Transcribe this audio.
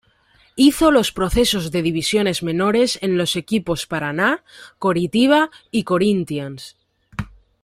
Hizo los procesos de divisiones menores en los equipos Paraná, Coritiba y Corinthians.